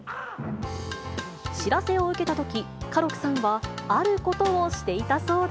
知らせを受けたとき、歌六さんはあることをしていたそうで。